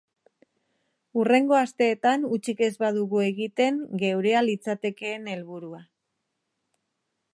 Hurrengo asteetan hutsik ez badugu egiten geurea litzatekeen helburua.